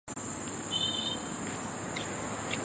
伊斯兰教法是卡塔尔立法的主要来源和依据。